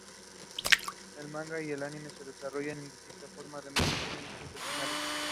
El manga y anime se desarrollan de distinta forma, además que tienen distintos finales.